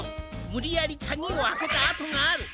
むりやりカギをあけたあとがある。